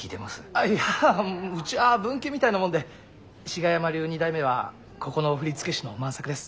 あっいやうちは分家みたいなもんで志賀山流二代目はここの振り付け師の万作です。